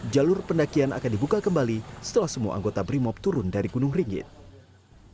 jalur pendakian akan dibuka kembali setelah semua anggota brimob turun dari gunung ringgit